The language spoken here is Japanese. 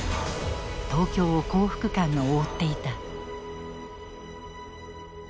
東京を幸福感が覆っていた。